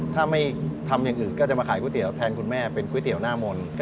ถ้าไม่ทำอย่างอื่นก็จะมาขายก๋วยเตี๋ยวแทนคุณแม่เป็นก๋วยเตี๋ยวหน้ามนต์